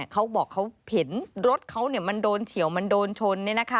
เขาบอกเขาเห็นรถเขามันโดนเฉียวมันโดนชน